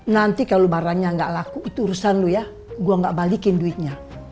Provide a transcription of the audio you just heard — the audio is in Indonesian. nanti kalau barangnya nggak laku itu urusan lo ya gue gak balikin duitnya